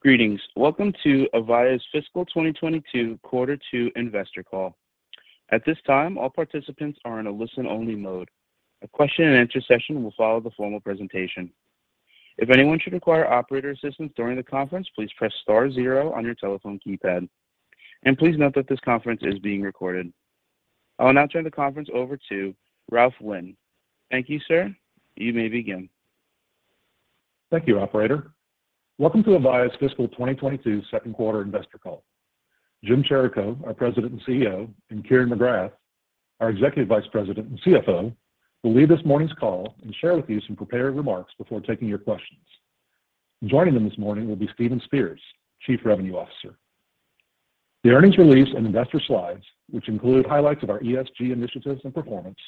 Greetings. Welcome to Avaya's Fiscal 2022 quarter 2 investor call. At this time, all participants are in a listen-only mode. A question and answer session will follow the formal presentation. If anyone should require operator assistance during the conference, please press star zero on your telephone keypad. Please note that this conference is being recorded. I will now turn the conference over to Ralph Wynn. Thank you, sir. You may begin. Thank you, operator. Welcome to Avaya's fiscal 2022 second quarter investor call. Jim Chirico, our President and CEO, and Kieran McGrath, our Executive Vice President and CFO, will lead this morning's call and share with you some prepared remarks before taking your questions. Joining them this morning will be Stephen Spears, Chief Revenue Officer. The earnings release and investor slides, which include highlights of our ESG initiatives and performance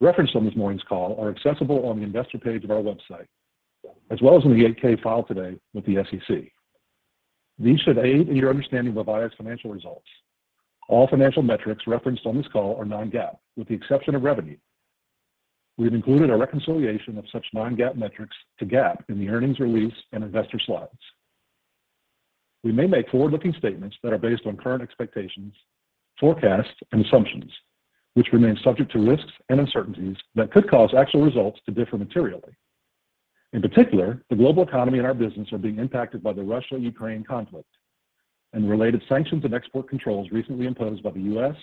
referenced on this morning's call, are accessible on the Investor page of our website, as well as in the 8-K filed today with the SEC. These should aid in your understanding of Avaya's financial results. All financial metrics referenced on this call are non-GAAP, with the exception of revenue. We have included a reconciliation of such non-GAAP metrics to GAAP in the earnings release and investor slides. We may make forward-looking statements that are based on current expectations, forecasts, and assumptions, which remain subject to risks and uncertainties that could cause actual results to differ materially. In particular, the global economy and our business are being impacted by the Russia-Ukraine conflict and related sanctions and export controls recently imposed by the U.S.,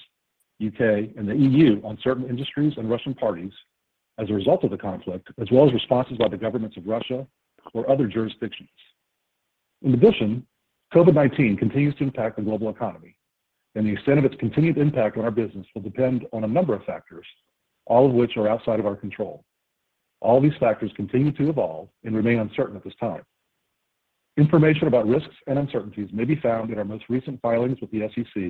U.K., and the EU on certain industries and Russian parties as a result of the conflict, as well as responses by the governments of Russia or other jurisdictions. In addition, COVID-19 continues to impact the global economy, and the extent of its continued impact on our business will depend on a number of factors, all of which are outside of our control. All these factors continue to evolve and remain uncertain at this time. Information about risks and uncertainties may be found in our most recent filings with the SEC,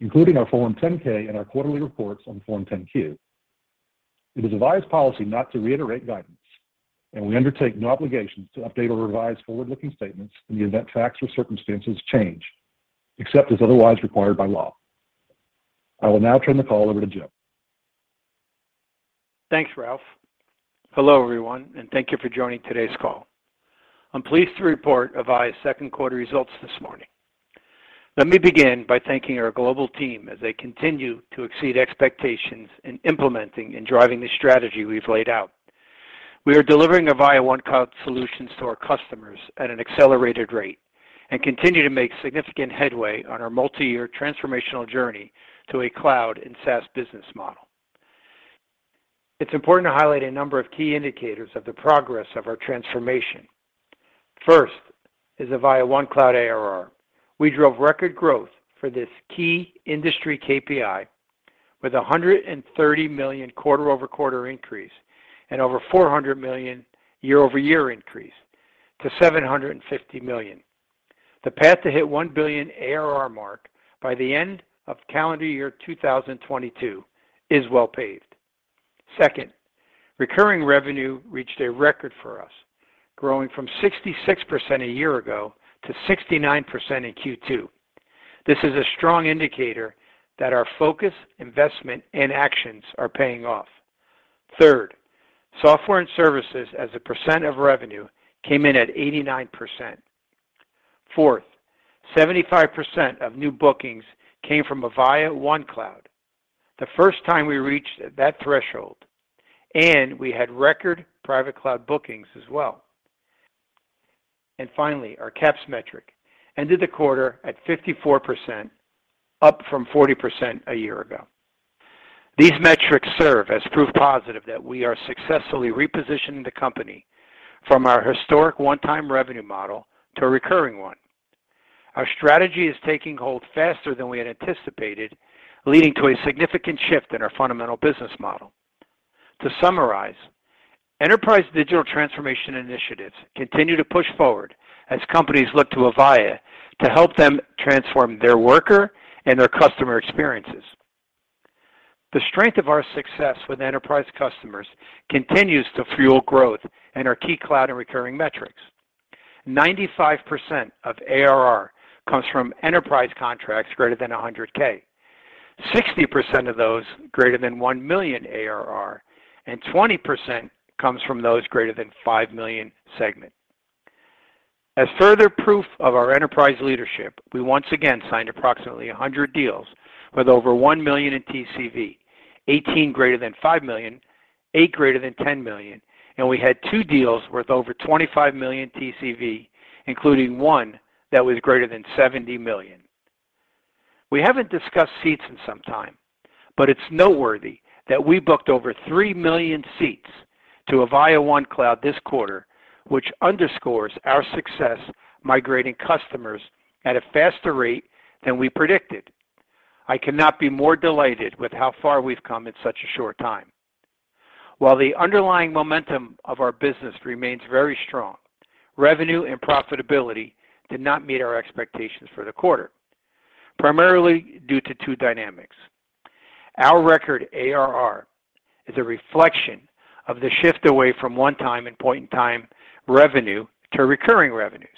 including our Form 10-K and our quarterly reports on Form 10-Q. It is Avaya's policy not to reiterate guidance, and we undertake no obligation to update or revise forward-looking statements in the event facts or circumstances change, except as otherwise required by law. I will now turn the call over to Jim. Thanks, Ralph. Hello, everyone, and thank you for joining today's call. I'm pleased to report Avaya's second quarter results this morning. Let me begin by thanking our global team as they continue to exceed expectations in implementing and driving the strategy we've laid out. We are delivering Avaya OneCloud solutions to our customers at an accelerated rate and continue to make significant headway on our multi-year transformational journey to a cloud and SaaS business model. It's important to highlight a number of key indicators of the progress of our transformation. First is Avaya OneCloud ARR. We drove record growth for this key industry KPI with a $130 million quarter-over-quarter increase and over $400 million year-over-year increase to $750 million. The path to hit $1 billion ARR mark by the end of calendar year 2022 is well paved. Second, recurring revenue reached a record for us, growing from 66% a year ago to 69% in Q2. This is a strong indicator that our focus, investment, and actions are paying off. Third, software and services as a percent of revenue came in at 89%. Fourth, 75% of new bookings came from Avaya OneCloud, the first time we reached that threshold, and we had record private cloud bookings as well. Finally, our CAPS metric ended the quarter at 54%, up from 40% a year ago. These metrics serve as proof positive that we are successfully repositioning the company from our historic one-time revenue model to a recurring one. Our strategy is taking hold faster than we had anticipated, leading to a significant shift in our fundamental business model. To summarize, enterprise digital transformation initiatives continue to push forward as companies look to Avaya to help them transform their worker and their customer experiences. The strength of our success with enterprise customers continues to fuel growth in our key cloud and recurring metrics. 95% of ARR comes from enterprise contracts greater than $100,000. 60% of those greater than $1 million ARR, and 20% comes from those greater than $5 million segment. As further proof of our enterprise leadership, we once again signed approximately 100 deals with over $1 million in TCV, 18 greater than $5 million, eight greater than $10 million, and we had two deals worth over $25 million TCV, including one that was greater than $70 million. We haven't discussed seats in some time, but it's noteworthy that we booked over 3 million seats to Avaya OneCloud this quarter, which underscores our success migrating customers at a faster rate than we predicted. I cannot be more delighted with how far we've come in such a short time. While the underlying momentum of our business remains very strong, revenue and profitability did not meet our expectations for the quarter, primarily due to two dynamics. Our record ARR is a reflection of the shift away from one time and point-in-time revenue to recurring revenues.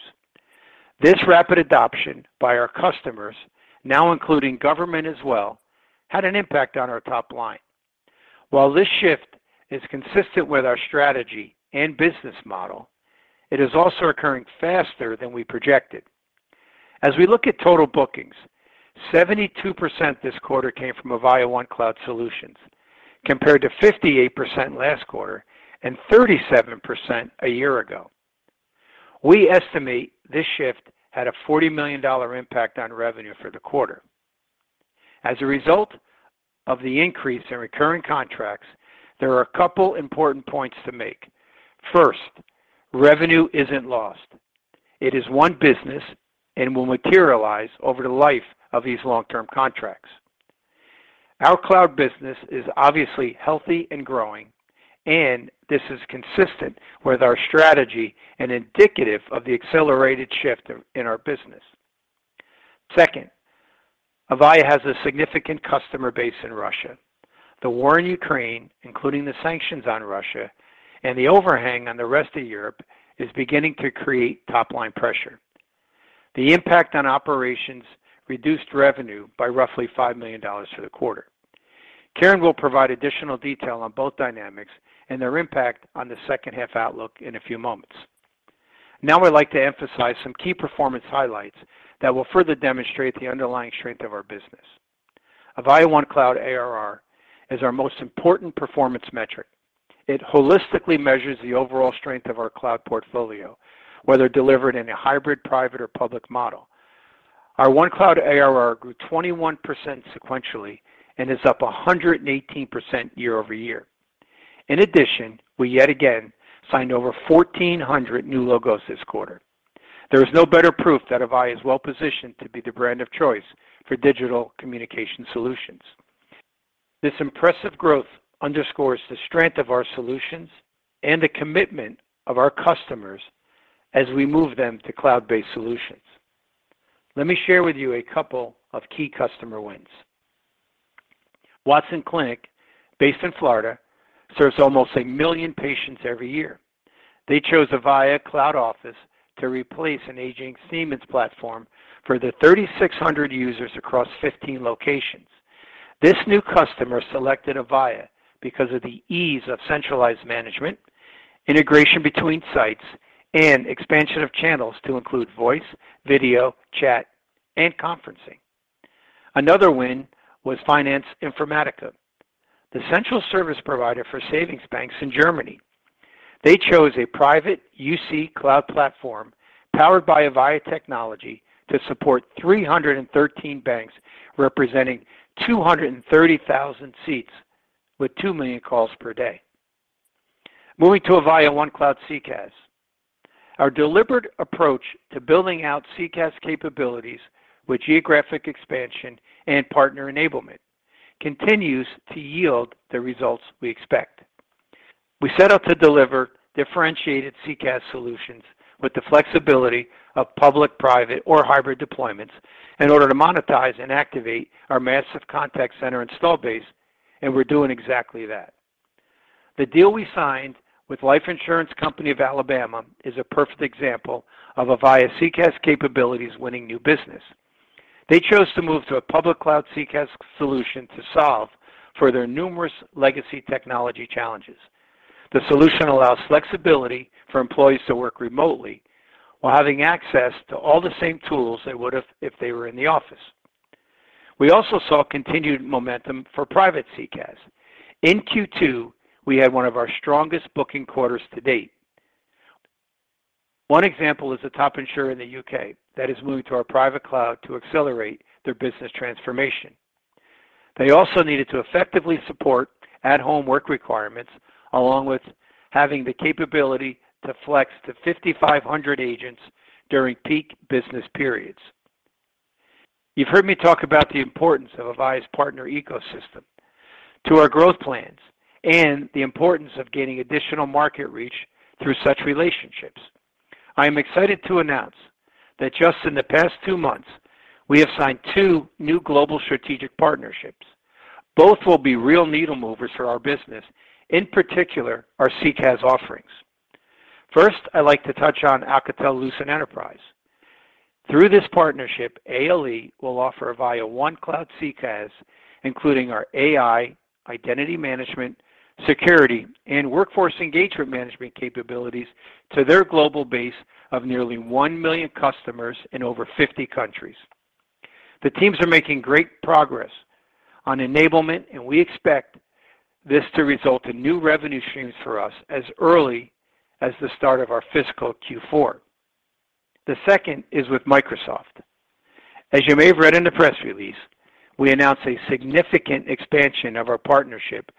This rapid adoption by our customers, now including government as well, had an impact on our top line. While this shift is consistent with our strategy and business model, it is also occurring faster than we projected. As we look at total bookings, 72% this quarter came from Avaya OneCloud solutions, compared to 58% last quarter and 37% a year ago. We estimate this shift had a $40 million impact on revenue for the quarter. As a result of the increase in recurring contracts, there are a couple important points to make. First, revenue isn't lost. It is one business and will materialize over the life of these long-term contracts. Our cloud business is obviously healthy and growing, and this is consistent with our strategy and indicative of the accelerated shift in our business. Second, Avaya has a significant customer base in Russia. The war in Ukraine, including the sanctions on Russia and the overhang on the rest of Europe, is beginning to create top-line pressure. The impact on operations reduced revenue by roughly $5 million for the quarter. Kieran McGrath will provide additional detail on both dynamics and their impact on the second half outlook in a few moments. Now I'd like to emphasize some key performance highlights that will further demonstrate the underlying strength of our business. Avaya OneCloud ARR is our most important performance metric. It holistically measures the overall strength of our cloud portfolio, whether delivered in a hybrid, private or public model. Our OneCloud ARR grew 21% sequentially and is up 118% year-over-year. In addition, we yet again signed over 1,400 new logos this quarter. There is no better proof that Avaya is well positioned to be the brand of choice for digital communication solutions. This impressive growth underscores the strength of our solutions and the commitment of our customers as we move them to cloud-based solutions. Let me share with you a couple of key customer wins. Watson Clinic, based in Florida, serves almost 1 million patients every year. They chose Avaya Cloud Office to replace an aging Siemens platform for their 3,600 users across 15 locations. This new customer selected Avaya because of the ease of centralized management, integration between sites and expansion of channels to include voice, video, chat, and conferencing. Another win was Finanz Informatik, the central service provider for savings banks in Germany. They chose a private UC cloud platform powered by Avaya technology to support 313 banks representing 230,000 seats with 2 million calls per day. Moving to Avaya OneCloud CCaaS. Our deliberate approach to building out CCaaS capabilities with geographic expansion and partner enablement continues to yield the results we expect. We set out to deliver differentiated CCaaS solutions with the flexibility of public, private or hybrid deployments in order to monetize and activate our massive contact center installed base and we're doing exactly that. The deal we signed with Life Insurance Company of Alabama is a perfect example of Avaya CCaaS capabilities winning new business. They chose to move to a public cloud CCaaS solution to solve for their numerous legacy technology challenges. The solution allows flexibility for employees to work remotely while having access to all the same tools they would have if they were in the office. We also saw continued momentum for private CCaaS. In Q2, we had one of our strongest booking quarters to date. One example is a top insurer in the U.K. that is moving to our private cloud to accelerate their business transformation. They also needed to effectively support at-home work requirements, along with having the capability to flex to 5,500 agents during peak business periods. You've heard me talk about the importance of Avaya's partner ecosystem to our growth plans and the importance of gaining additional market reach through such relationships. I am excited to announce that just in the past two months, we have signed two new global strategic partnerships. Both will be real needle movers for our business, in particular our CCaaS offerings. First, I'd like to touch on Alcatel-Lucent Enterprise. Through this partnership, ALE will offer Avaya OneCloud CCaaS, including our AI, identity management, security, and workforce engagement management capabilities to their global base of nearly 1 million customers in over 50 countries. The teams are making great progress on enablement, and we expect this to result in new revenue streams for us as early as the start of our fiscal Q4. The second is with Microsoft. As you may have read in the press release, we announced a significant expansion of our partnership,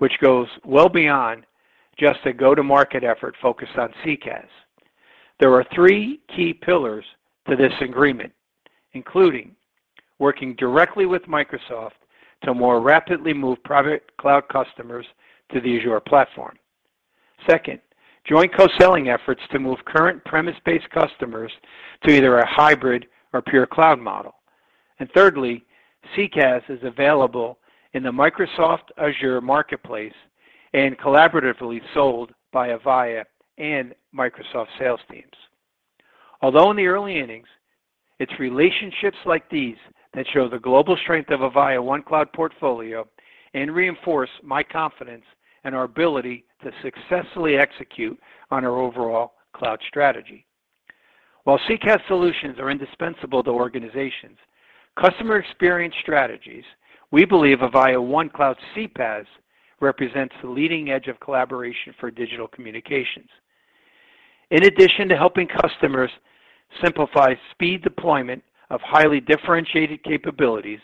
which goes well beyond just a go-to-market effort focused on CCaaS. There are three key pillars to this agreement, including working directly with Microsoft to more rapidly move private cloud customers to the Azure platform. Second, joint co-selling efforts to move current premises-based customers to either a hybrid or pure cloud model. Thirdly, CCaaS is available in the Microsoft Azure marketplace and collaboratively sold by Avaya and Microsoft sales teams. Although in the early innings, it's relationships like these that show the global strength of Avaya OneCloud portfolio and reinforce my confidence in our ability to successfully execute on our overall cloud strategy. While CCaaS solutions are indispensable to organizations, customer experience strategies, we believe Avaya OneCloud CPaaS represents the leading edge of collaboration for digital communications. In addition to helping customers simplify speed deployment of highly differentiated capabilities,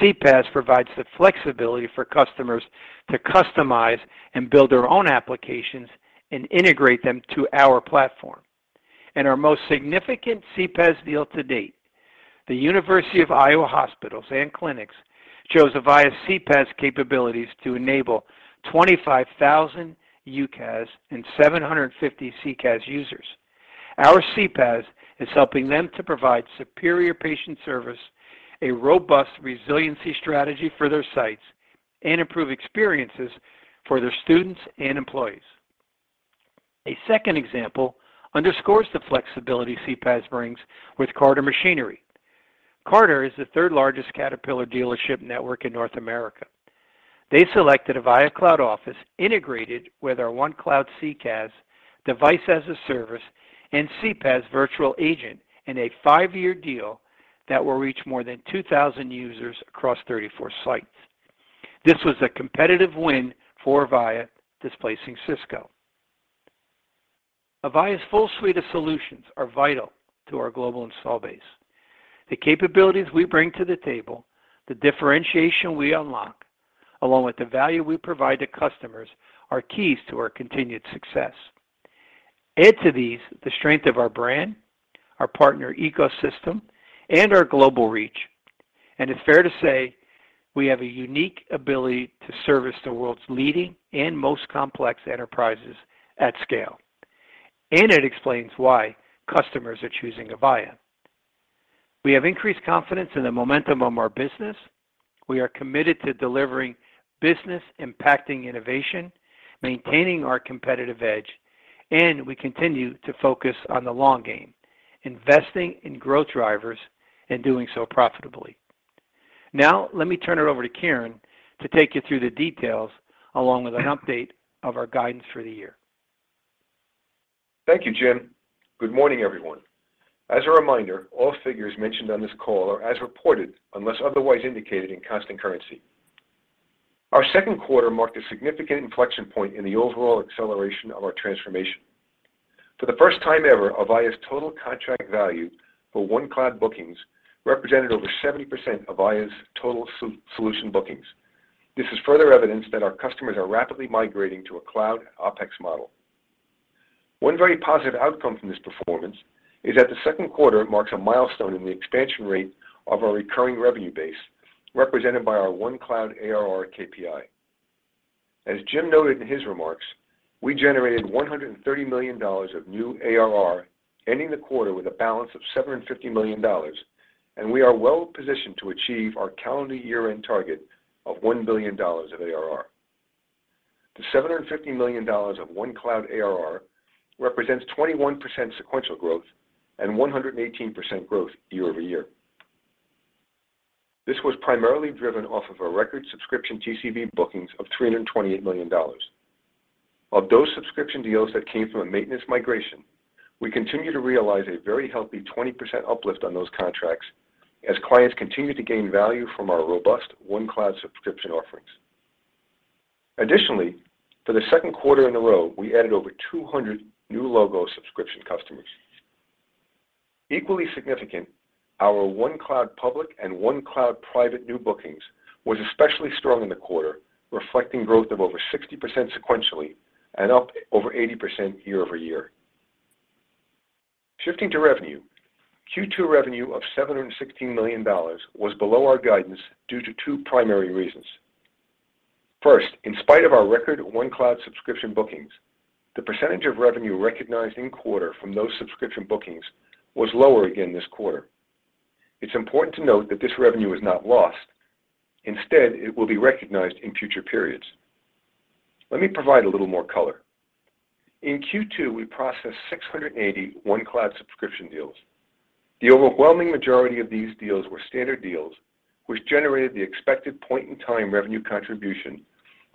CPaaS provides the flexibility for customers to customize and build their own applications and integrate them to our platform. In our most significant CPaaS deal to date, the University of Iowa Hospitals and Clinics chose Avaya's CPaaS capabilities to enable 25,000 UCaaS and 750 CCaaS users. Our CPaaS is helping them to provide superior patient service, a robust resiliency strategy for their sites, and improve experiences for their students and employees. A second example underscores the flexibility CPaaS brings with Carter Machinery. Carter is the third-largest Caterpillar dealership network in North America. They selected Avaya Cloud Office integrated with our OneCloud CCaaS device as a service and CPaaS virtual agent in a five-year deal that will reach more than 2,000 users across 34 sites. This was a competitive win for Avaya, displacing Cisco. Avaya's full suite of solutions are vital to our global install base. The capabilities we bring to the table, the differentiation we unlock, along with the value we provide to customers, are keys to our continued success. Add to these the strength of our brand, our partner ecosystem, and our global reach, and it's fair to say we have a unique ability to service the world's leading and most complex enterprises at scale, and it explains why customers are choosing Avaya. We have increased confidence in the momentum of our business. We are committed to delivering business-impacting innovation, maintaining our competitive edge, and we continue to focus on the long game, investing in growth drivers and doing so profitably. Now, let me turn it over to Kieran to take you through the details along with an update of our guidance for the year. Thank you, Jim. Good morning, everyone. As a reminder, all figures mentioned on this call are as reported unless otherwise indicated in constant currency. Our second quarter marked a significant inflection point in the overall acceleration of our transformation. For the first time ever, Avaya's total contract value for OneCloud bookings represented over 70% of Avaya's total solution bookings. This is further evidence that our customers are rapidly migrating to a Cloud OpEx model. One very positive outcome from this performance is that the second quarter marks a milestone in the expansion rate of our recurring revenue base, represented by our OneCloud ARR KPI. As Jim noted in his remarks, we generated $130 million of new ARR, ending the quarter with a balance of $750 million, and we are well positioned to achieve our calendar year-end target of $1 billion of ARR. The $750 million of OneCloud ARR represents 21% sequential growth and 118% growth year over year. This was primarily driven off of a record subscription TCV bookings of $328 million. Of those subscription deals that came from a maintenance migration, we continue to realize a very healthy 20% uplift on those contracts as clients continue to gain value from our robust OneCloud subscription offerings. Additionally, for the second quarter in a row, we added over 200 new logo subscription customers. Equally significant, our OneCloud Public and OneCloud Private new bookings was especially strong in the quarter, reflecting growth of over 60% sequentially and up over 80% year-over-year. Shifting to revenue. Q2 revenue of $716 million was below our guidance due to two primary reasons. First, in spite of our record OneCloud subscription bookings, the percentage of revenue recognized in quarter from those subscription bookings was lower again this quarter. It's important to note that this revenue is not lost. Instead, it will be recognized in future periods. Let me provide a little more color. In Q2, we processed 680 OneCloud subscription deals. The overwhelming majority of these deals were standard deals, which generated the expected point-in-time revenue contribution,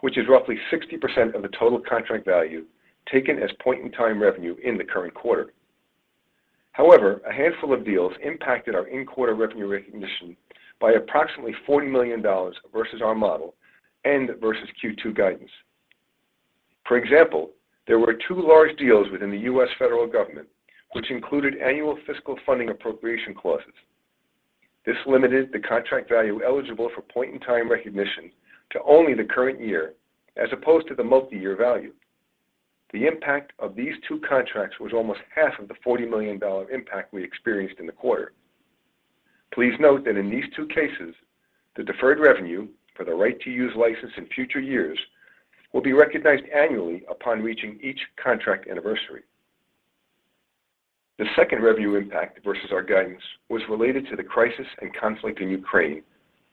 which is roughly 60% of the total contract value taken as point-in-time revenue in the current quarter. However, a handful of deals impacted our in-quarter revenue recognition by approximately $40 million versus our model and versus Q2 guidance. For example, there were two large deals within the U.S. federal government, which included annual fiscal funding appropriation clauses. This limited the contract value eligible for point-in-time recognition to only the current year as opposed to the multi-year value. The impact of these two contracts was almost half of the $40 million impact we experienced in the quarter. Please note that in these two cases, the deferred revenue for the right to use license in future years will be recognized annually upon reaching each contract anniversary. The second revenue impact versus our guidance was related to the crisis and conflict in Ukraine,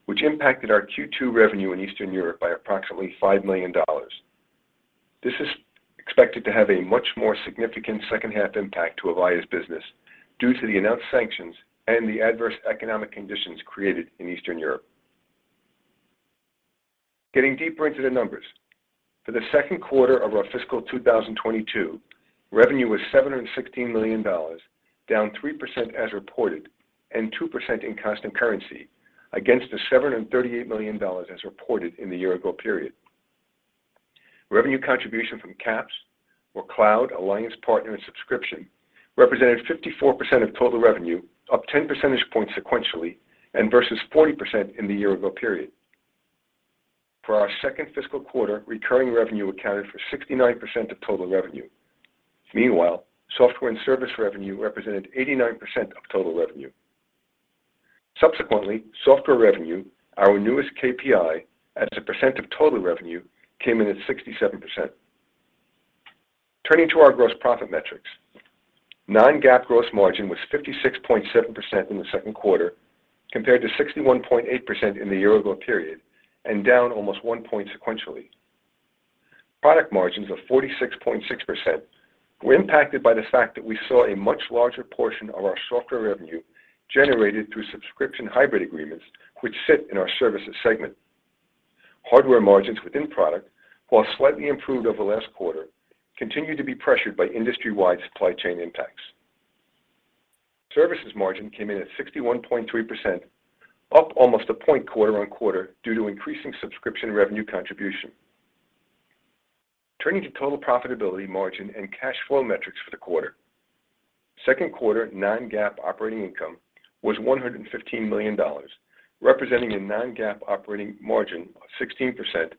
which impacted our Q2 revenue in Eastern Europe by approximately $5 million. This is expected to have a much more significant second half impact to Avaya's business due to the announced sanctions and the adverse economic conditions created in Eastern Europe. Getting deeper into the numbers. For the second quarter of our fiscal 2022, revenue was $716 million, down 3% as reported and 2% in constant currency against the $738 million as reported in the year ago period. Revenue contribution from CAPS or Cloud Alliance Partner and Subscription represented 54% of total revenue, up 10 percentage points sequentially and versus 40% in the year ago period. For our second fiscal quarter, recurring revenue accounted for 69% of total revenue. Meanwhile, software and service revenue represented 89% of total revenue. Subsequently, software revenue, our newest KPI as a percent of total revenue, came in at 67%. Turning to our gross profit metrics. Non-GAAP gross margin was 56.7% in the second quarter compared to 61.8% in the year ago period, and down almost 1 point sequentially. Product margins of 46.6% were impacted by the fact that we saw a much larger portion of our software revenue generated through subscription hybrid agreements, which sit in our services segment. Hardware margins within product, while slightly improved over last quarter, continue to be pressured by industry-wide supply chain impacts. Services margin came in at 61.3%, up almost a point quarter-over-quarter due to increasing subscription revenue contribution. Turning to total profitability margin and cash flow metrics for the quarter. Second quarter non-GAAP operating income was $115 million, representing a non-GAAP operating margin of 16%,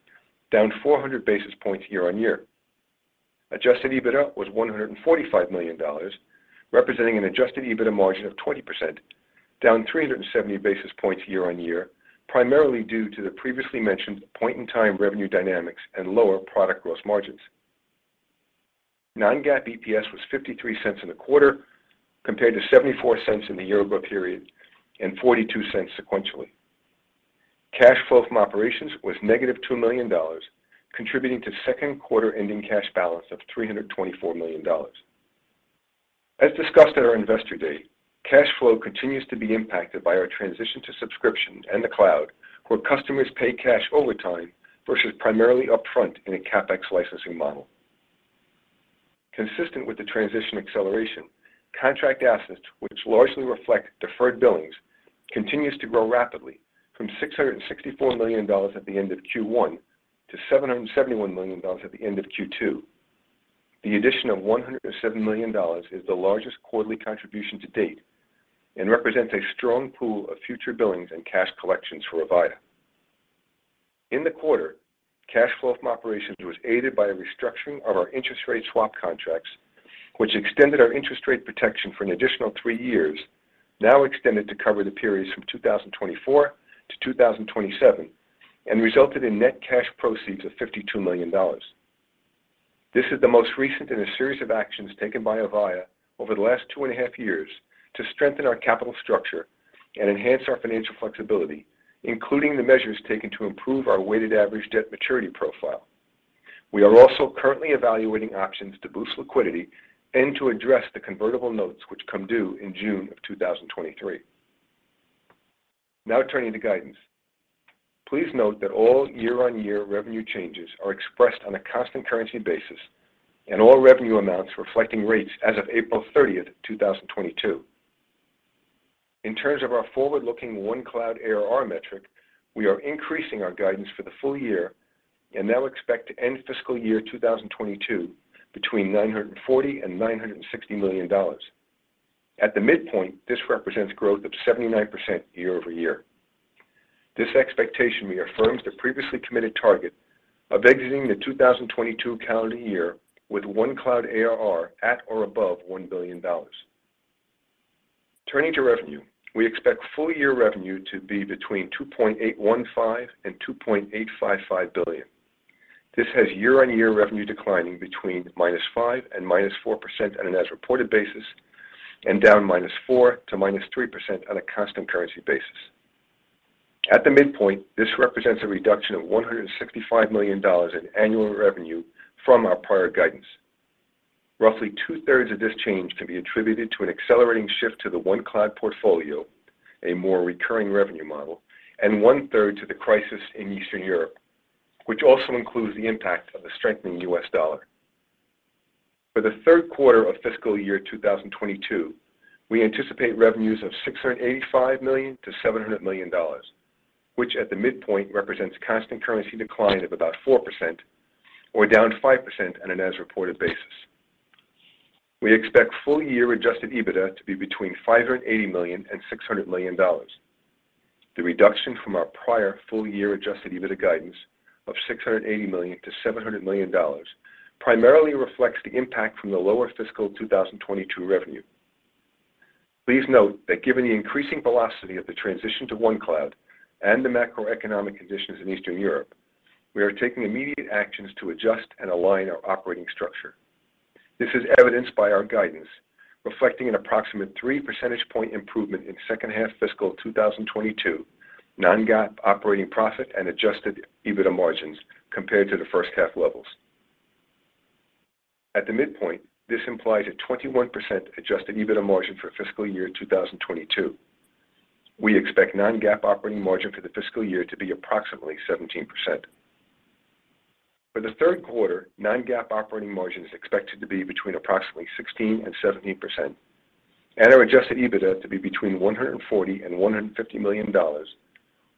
down 400 basis points year-on-year. Adjusted EBITDA was $145 million, representing an Adjusted EBITDA margin of 20%, down 370 basis points year-on-year, primarily due to the previously mentioned point-in-time revenue dynamics and lower product gross margins. Non-GAAP EPS was $0.53 in the quarter compared to $0.74 in the year ago period and $0.42 sequentially. Cash flow from operations was -$2 million, contributing to second-quarter ending cash balance of $324 million. As discussed at our investor date, cash flow continues to be impacted by our transition to subscription and the cloud, where customers pay cash over time versus primarily upfront in a CapEx licensing model. Consistent with the transition acceleration, contract assets, which largely reflect deferred billings, continues to grow rapidly from $664 million at the end of Q1 to $771 million at the end of Q2. The addition of $107 million is the largest quarterly contribution to date and represents a strong pool of future billings and cash collections for Avaya. In the quarter, cash flow from operations was aided by a restructuring of our interest rate swap contracts, which extended our interest rate protection for an additional three years, now extended to cover the periods from 2024 to 2027, and resulted in net cash proceeds of $52 million. This is the most recent in a series of actions taken by Avaya over the last 2.5 years to strengthen our capital structure and enhance our financial flexibility, including the measures taken to improve our weighted average debt maturity profile. We are also currently evaluating options to boost liquidity and to address the convertible notes which come due in June 2023. Now turning to guidance. Please note that all year-over-year revenue changes are expressed on a constant currency basis and all revenue amounts reflecting rates as of April 30, 2022. In terms of our forward-looking OneCloud ARR metric, we are increasing our guidance for the full year and now expect to end fiscal year 2022 between $940 million and $960 million. At the midpoint, this represents growth of 79% year-over-year. This expectation reaffirms the previously committed target of exiting the 2022 calendar year with OneCloud ARR at or above $1 billion. Turning to revenue. We expect full-year revenue to be between $2.815 billion and $2.855 billion. This has year-on-year revenue declining between -5% and -4% on an as-reported basis, and down -4% to -3% on a constant currency basis. At the midpoint, this represents a reduction of $165 million in annual revenue from our prior guidance. Roughly two-thirds of this change can be attributed to an accelerating shift to the OneCloud portfolio, a more recurring revenue model, and one-third to the crisis in Eastern Europe, which also includes the impact of the strengthening US dollar. For the third quarter of fiscal year 2022, we anticipate revenues of $685 million to $700 million, which at the midpoint represents constant currency decline of about 4% or down 5% on an as-reported basis. We expect full year adjusted EBITDA to be between $500 million and $600 million. The reduction from our prior full year adjusted EBITDA guidance of $680 million to $700 million primarily reflects the impact from the lower fiscal 2022 revenue. Please note that given the increasing velocity of the transition to OneCloud and the macroeconomic conditions in Eastern Europe, we are taking immediate actions to adjust and align our operating structure. This is evidenced by our guidance reflecting an approximate 3 percentage point improvement in second half fiscal 2022 non-GAAP operating profit and adjusted EBITDA margins compared to the first half levels. At the midpoint, this implies a 21% adjusted EBITDA margin for fiscal year 2022. We expect non-GAAP operating margin for the fiscal year to be approximately 17%. For the third quarter, non-GAAP operating margin is expected to be between approximately 16%-17% and our adjusted EBITDA to be between $140 million and $150 million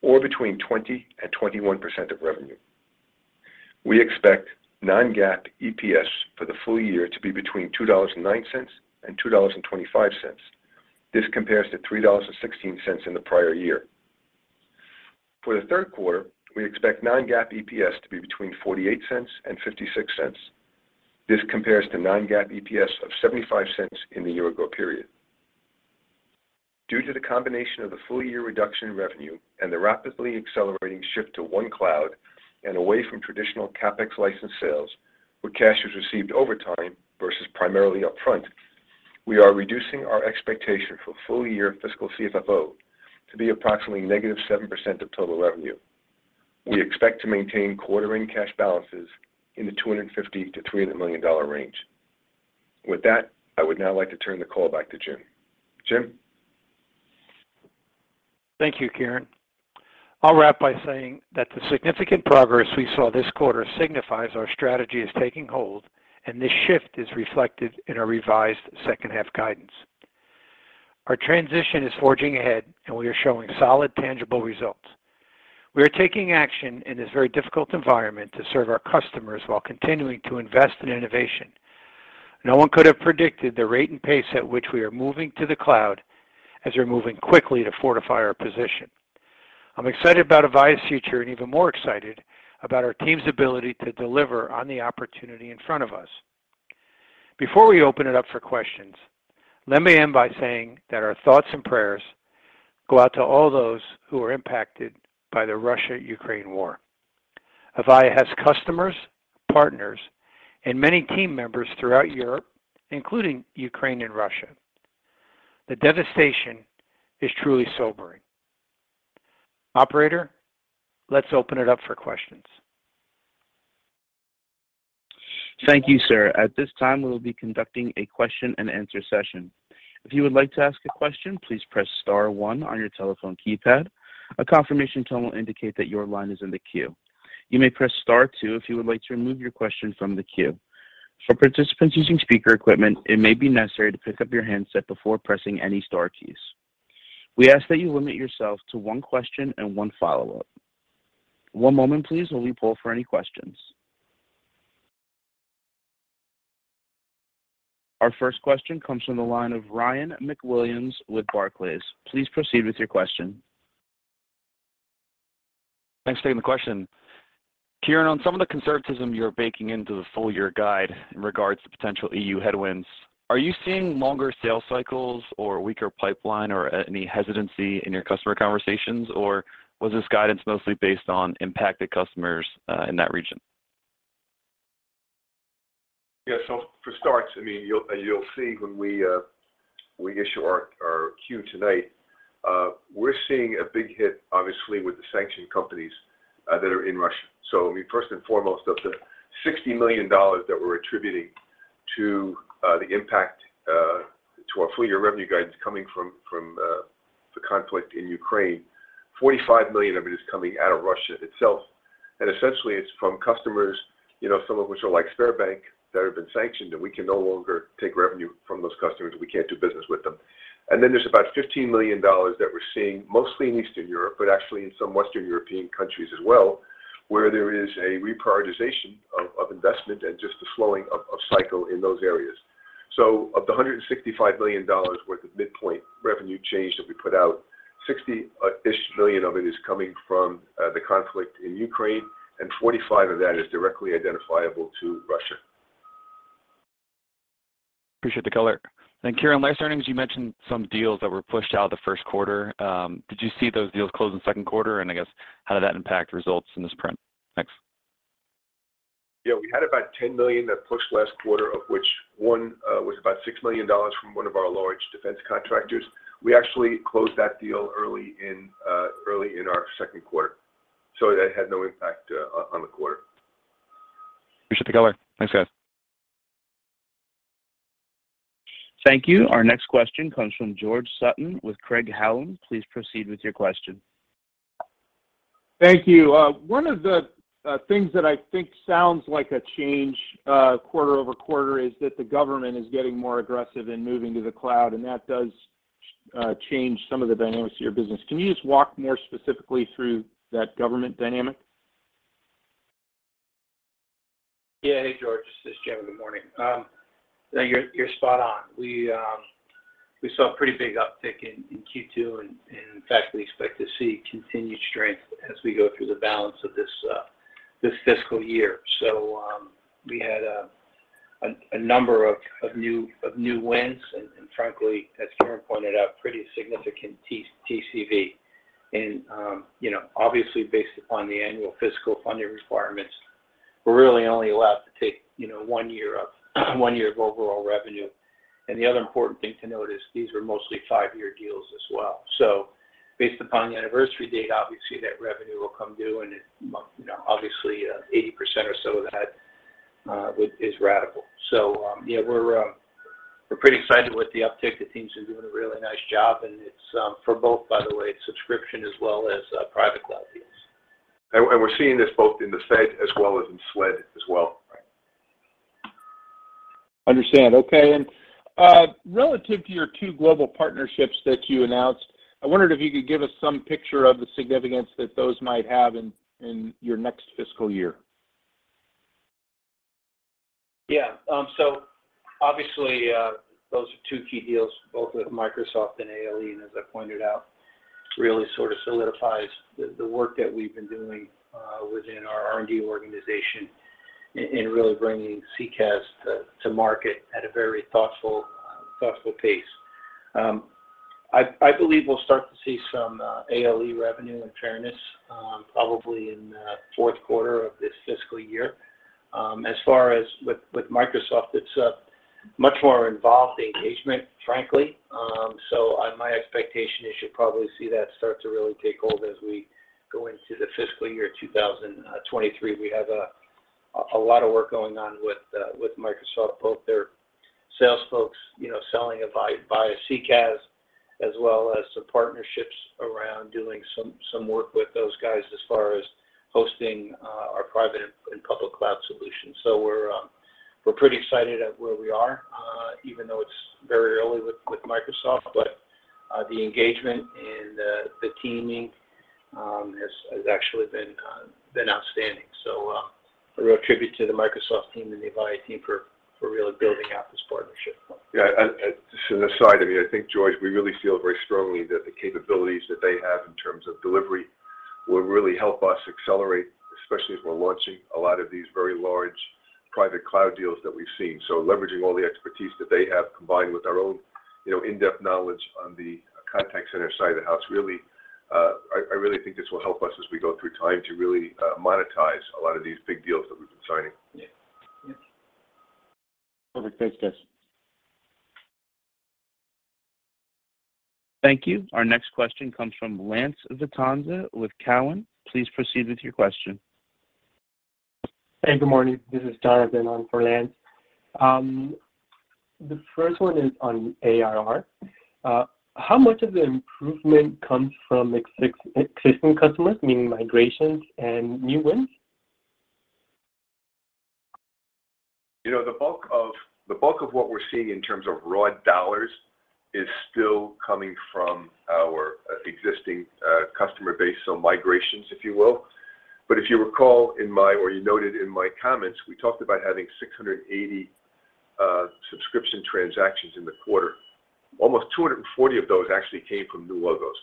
or between 20%-21% of revenue. We expect non-GAAP EPS for the full year to be between $2.09 and $2.25. This compares to $3.16 in the prior year. For the third quarter, we expect non-GAAP EPS to be between $0.48 and $0.56. This compares to non-GAAP EPS of $0.75 in the year ago period. Due to the combination of the full year reduction in revenue and the rapidly accelerating shift to OneCloud and away from traditional CapEx license sales, where cash is received over time versus primarily upfront, we are reducing our expectation for full year fiscal CFFO to be approximately negative 7% of total revenue. We expect to maintain quarter end cash balances in the $250million-$300 million range. With that, I would now like to turn the call back to Jim. Jim? Thank you, Kieran. I'll wrap by saying that the significant progress we saw this quarter signifies our strategy is taking hold, and this shift is reflected in our revised second-half guidance. Our transition is forging ahead, and we are showing solid, tangible results. We are taking action in this very difficult environment to serve our customers while continuing to invest in innovation. No one could have predicted the rate and pace at which we are moving to the cloud as we're moving quickly to fortify our position. I'm excited about Avaya's future and even more excited about our team's ability to deliver on the opportunity in front of us. Before we open it up for questions, let me end by saying that our thoughts and prayers go out to all those who are impacted by the Russia-Ukraine war. Avaya has customers, partners, and many team members throughout Europe, including Ukraine and Russia. The devastation is truly sobering. Operator, let's open it up for questions. Thank you, sir. At this time, we will be conducting a question and answer session. If you would like to ask a question, please press star one on your telephone keypad. A confirmation tone will indicate that your line is in the queue. You may press star two if you would like to remove your question from the queue. For participants using speaker equipment, it may be necessary to pick up your handset before pressing any star keys. We ask that you limit yourself to one question and one follow-up. One moment please while we poll for any questions. Our first question comes from the line of Ryan MacWilliams with Barclays. Please proceed with your question. Thanks for taking the question. Kieran, on some of the conservatism you're baking into the full year guide in regards to potential EU headwinds, are you seeing longer sales cycles or weaker pipeline or any hesitancy in your customer conversations? Or was this guidance mostly based on impacted customers, in that region? Yeah. For starters, I mean, you'll see when we issue our Q tonight, we're seeing a big hit, obviously, with the sanctioned companies that are in Russia. First and foremost, of the $60 million that we're attributing to the impact to our full-year revenue guidance coming from the conflict in Ukraine, $45 million of it is coming out of Russia itself. Essentially, it's from customers, you know, some of which are like Sberbank that have been sanctioned, and we can no longer take revenue from those customers. We can't do business with them. There's about $15 million that we're seeing mostly in Eastern Europe, but actually in some Western European countries as well, where there is a reprioritization of investment and just the slowing of cycle in those areas. Of the $165 million worth of midpoint revenue change that we put out, $60-ish million of it is coming from the conflict in Ukraine, and $45 million of that is directly identifiable to Russia. Appreciate the color. Kieran, last earnings, you mentioned some deals that were pushed out of the first quarter. Did you see those deals close in the second quarter? I guess how did that impact results in this print? Thanks. Yeah, we had about $10 million that pushed last quarter, of which one was about $6 million from one of our large defense contractors. We actually closed that deal early in our second quarter, so that had no impact on the quarter. Appreciate the color. Thanks, guys. Thank you. Our next question comes from George Sutton with Craig-Hallum. Please proceed with your question. Thank you. One of the things that I think sounds like a change quarter-over-quarter is that the government is getting more aggressive in moving to the cloud, and that does change some of the dynamics of your business. Can you just walk more specifically through that government dynamic? Yeah. Hey, George, this is Jim. Good morning. Yeah, you're spot on. We saw a pretty big uptick in Q2, and in fact, we expect to see continued strength as we go through the balance of this fiscal year. We had a number of new wins and frankly, as Kieran pointed out, pretty significant TCV. You know, obviously based upon the annual fiscal funding requirements, we're really only allowed to take, you know, one year of overall revenue. The other important thing to note is these are mostly five-year deals as well. Based upon the anniversary date, obviously, that revenue will come due, and, you know, obviously, 80% or so of that is ratable. Yeah, we're pretty excited with the uptick. The teams are doing a really nice job, and it's for both, by the way, it's subscription as well as private cloud deals. We're seeing this both in the Fed as well as in SLED as well. Right. Understand. Okay. Relative to your two global partnerships that you announced, I wondered if you could give us some picture of the significance that those might have in your next fiscal year. Yeah. Obviously, those are two key deals both with Microsoft and ALE, and as I pointed out, really sort of solidifies the work that we've been doing within our R&D organization in really bringing CCaaS to market at a very thoughtful pace. I believe we'll start to see some ALE revenue. In fairness, probably in fourth quarter of this fiscal year. As far as with Microsoft, it's a much more involved engagement, frankly. My expectation is you'll probably see that start to really take hold as we go into the fiscal year 2023. We have a lot of work going on with Microsoft, both their sales folks, you know, selling Avaya via CCaaS, as well as some partnerships around doing some work with those guys as far as hosting our private and public cloud solutions. We're pretty excited at where we are even though it's very early with Microsoft, but the engagement and the teaming has actually been outstanding. A real tribute to the Microsoft team and the Avaya team for really building out this partnership. Yeah. Just an aside, I mean, I think, George, we really feel very strongly that the capabilities that they have in terms of delivery will really help us accelerate, especially as we're launching a lot of these very large private cloud deals that we've seen. Leveraging all the expertise that they have combined with our own, you know, in-depth knowledge on the contact center side of the house, really, I really think this will help us as we go through time to really monetize a lot of these big deals that we've been signing. Yeah. Yeah. Perfect. Thanks, guys. Thank you. Our next question comes from Lance Vitanza with Cowen. Please proceed with your question. Hey, good morning. This is Jonathan on for Lance. The first one is on ARR. How much of the improvement comes from existing customers, meaning migrations and new wins? You know, the bulk of what we're seeing in terms of raw dollars is still coming from our existing customer base, so migrations, if you will. If you recall or you noted in my comments, we talked about having 680 subscription transactions in the quarter. Almost 240 of those actually came from new logos.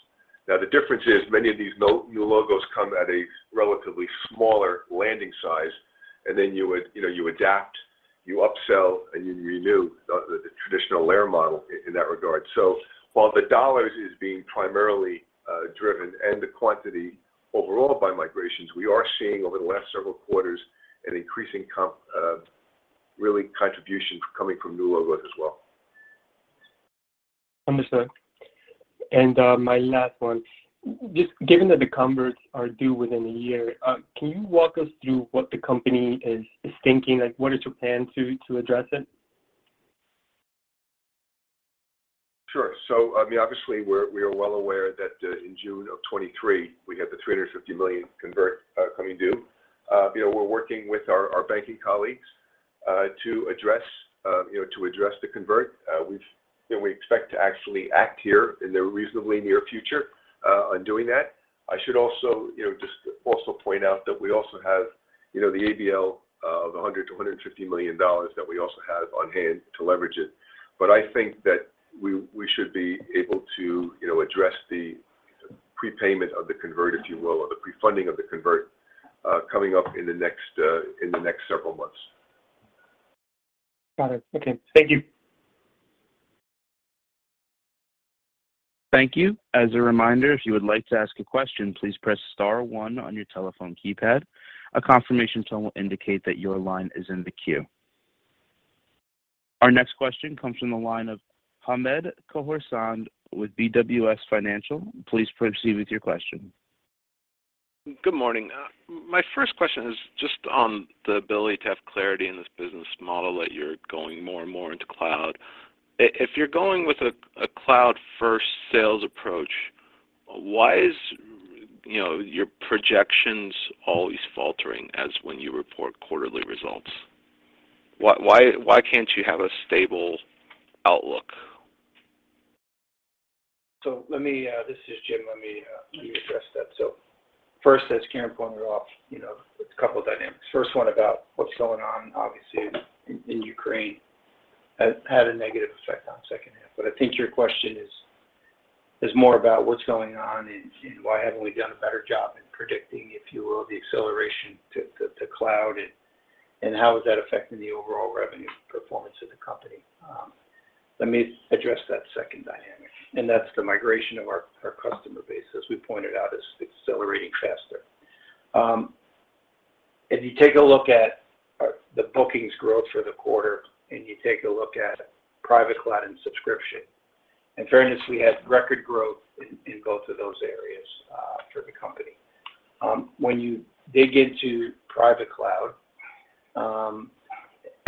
Now, the difference is many of these new logos come at a relatively smaller landing size, and then you would, you know, you adapt, you upsell, and you renew the traditional layer model in that regard. While the dollars is being primarily driven and the quantity overall by migrations, we are seeing over the last several quarters an increasing, really, contribution coming from new logos as well. Understood. My last one. Just given that the converts are due within a year, can you walk us through what the company is thinking? Like, what is your plan to address it? Sure. I mean, obviously, we are well aware that in June of 2023, we have the $350 million convert coming due. You know, we are working with our banking colleagues to address the convert. We expect to actually act here in the reasonably near future on doing that. I should also just also point out that we also have the ABL of $100 million-$150 million that we also have on hand to leverage it. I think that we should be able to address the prepayment of the convert, if you will, or the pre-funding of the convert coming up in the next several months. Got it. Okay. Thank you. Thank you. As a reminder, if you would like to ask a question, please press star one on your telephone keypad. A confirmation tone will indicate that your line is in the queue. Our next question comes from the line of Hamed Khorsand with BWS Financial. Please proceed with your question. Good morning. My first question is just on the ability to have clarity in this business model that you're going more and more into cloud. If you're going with a cloud-first sales approach, why is, you know, your projections always faltering especially when you report quarterly results? Why can't you have a stable outlook? This is Jim. Let me address that. First, as Kieran pointed out, you know, a couple of dynamics. First one about what's going on, obviously, in Ukraine has had a negative effect on second half. I think your question is more about what's going on and why haven't we done a better job in predicting, if you will, the acceleration to cloud and how is that affecting the overall revenue performance of the company. Let me address that second dynamic, and that's the migration of our customer base, as we pointed out, is accelerating faster. If you take a look at our bookings growth for the quarter, and you take a look at private cloud and subscription. In fairness, we had record growth in both of those areas for the company. When you dig into private cloud,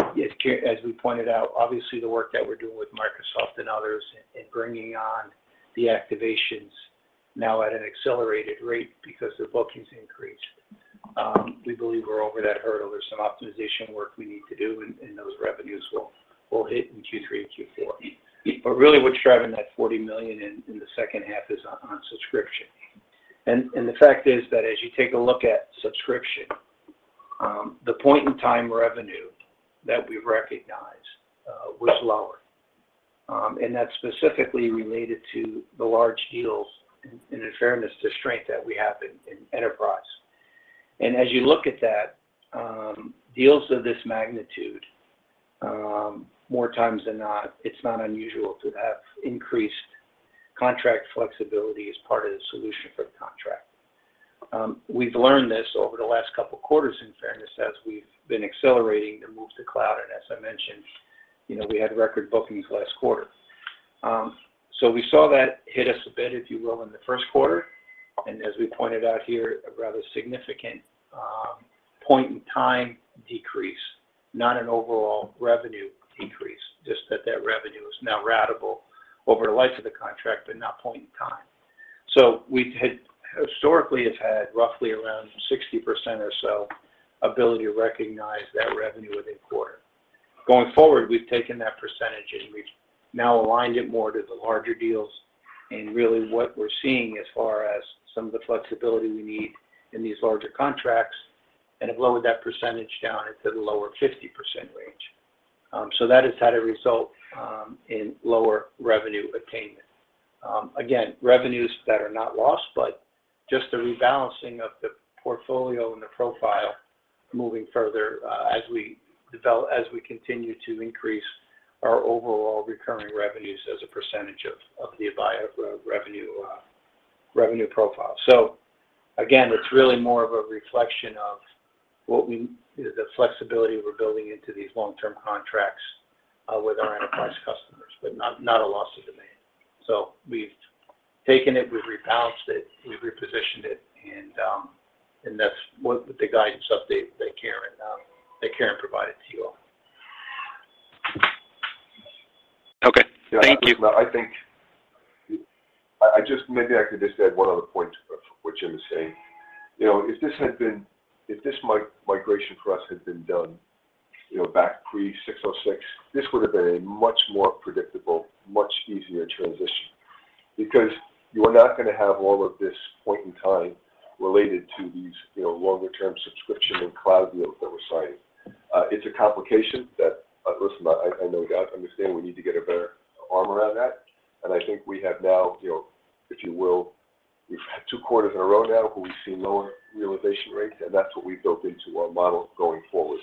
as we pointed out, obviously the work that we're doing with Microsoft and others in bringing on the activations now at an accelerated rate because the bookings increased, we believe we're over that hurdle. There's some optimization work we need to do, and those revenues will hit in Q3 and Q4. Really, what's driving that $40 million in the second half is on subscription. The fact is that as you take a look at subscription, the point-in-time revenue that we recognize was lower. That's specifically related to the large deals and in fairness to strength that we have in enterprise. As you look at that, deals of this magnitude, more times than not, it's not unusual to have increased contract flexibility as part of the solution for the contract. We've learned this over the last couple quarters, in fairness, as we've been accelerating the move to cloud, and as I mentioned, you know, we had record bookings last quarter. We saw that hit us a bit, if you will, in the first quarter, and as we pointed out here, a rather significant point-in-time decrease, not an overall revenue decrease, just that revenue is now ratable over the life of the contract but not point in time. We had historically had roughly around 60% or so ability to recognize that revenue within quarter. Going forward, we've taken that percentage, and we've now aligned it more to the larger deals, and really what we're seeing as far as some of the flexibility we need in these larger contracts and have lowered that percentage down into the lower 50% range. That has had a result in lower revenue attainment. Again, revenues that are not lost, but just a rebalancing of the portfolio and the profile moving further as we continue to increase our overall recurring revenues as a percentage of the Avaya revenue profile. Again, it's really more of a reflection of the flexibility we're building into these long-term contracts with our enterprise customers, but not a loss of demand. We've taken it, we've rebalanced it, we've repositioned it, and that's what the guidance update that Kieran provided to you all. Okay. Thank you. Listen, I think I just maybe could just add one other point of what Jim is saying. You know, if this migration for us had been done, you know, back pre-606, this would have been a much more predictable, much easier transition. Because you are not gonna have all of this point in time related to these, you know, longer term subscription and cloud deals that we're signing. It's a complication that, listen, I know, I understand we need to get our arms around that. I think we have now, you know, if you will, we've had two quarters in a row now where we've seen lower realization rates, and that's what we've built into our model going forward.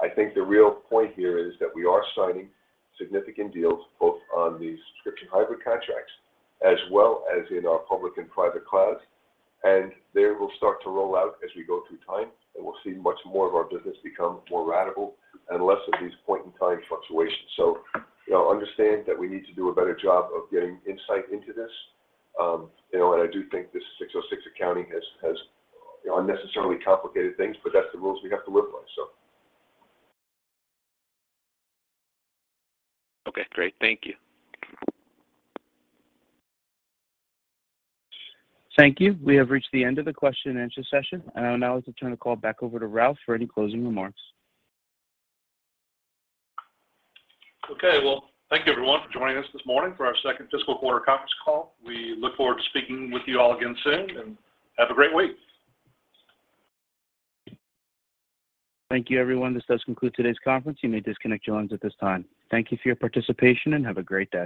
I think the real point here is that we are signing significant deals both on these subscription hybrid contracts as well as in our public and private clouds. They will start to roll out as we go through time, and we'll see much more of our business become more ratable and less of these point-in-time fluctuations. You know, understand that we need to do a better job of getting insight into this, you know, and I do think this ASC 606 accounting has, you know, unnecessarily complicated things, but that's the rules we have to live by. Okay, great. Thank you. Thank you. We have reached the end of the question and answer session, and I would now like to turn the call back over to Ralph for any closing remarks. Okay. Well, thank you everyone for joining us this morning for our second fiscal quarter conference call. We look forward to speaking with you all again soon, and have a great week. Thank you, everyone. This does conclude today's conference. You may disconnect your lines at this time. Thank you for your participation, and have a great day.